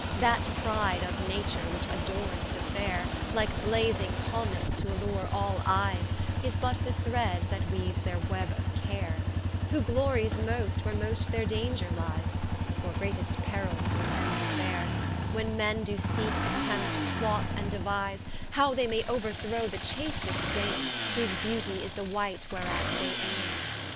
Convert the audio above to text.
That pride of Nature which adornes the faire, Like blasing Comets to allure all eies, Is but the thred, that weaves their web of Care, Who glories most, where most their danger lies; For greatest perills do attend the faire, When men do seeke, attempt, plot and devise, How they may overthrow the chastest Dame, Whose Beautie is the White whereat they aime.